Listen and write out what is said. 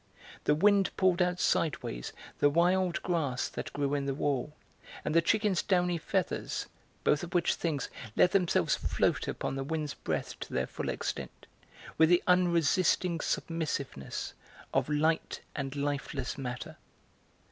The wind pulled out sideways the wild grass that grew in the wall, and the chicken's downy feathers, both of which things let themselves float upon the wind's breath to their full extent, with the unresisting submissiveness of light and lifeless matter.